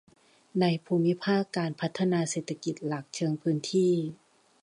ในภูมิภาคการพัฒนาเศรษฐกิจหลักเชิงพื้นที่